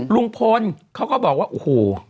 ลุงพลเขาก็บอกว่าโอ้โห